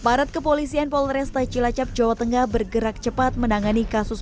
aparat kepolisian polresta cilacap jawa tengah bergerak cepat menangani kasus